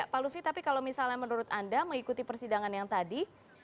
pak lufi tapi kalau misalnya menurut anda mengikuti persidangan yang tadi